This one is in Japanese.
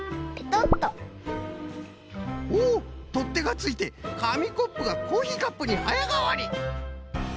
おおっとってがついてかみコップがコーヒーカップにはやがわり！